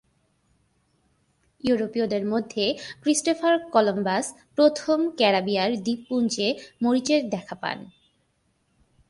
ইউরোপীয়দের মধ্যে Christopher Columbus প্রথম ক্যারিবীয় দ্বীপপুঞ্জে মরিচের দেখা পান।